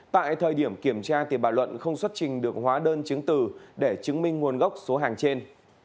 tại thời điểm kiểm tra bà luận không xuất trình được hóa đơn chứng từ để chứng minh nguồn gốc số hàng trên